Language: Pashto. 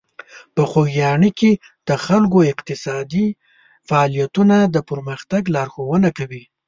په خوږیاڼي کې د خلکو اقتصادي فعالیتونه د پرمختګ لارښوونه کوي.